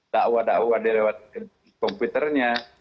dakwah dakwah di komputernya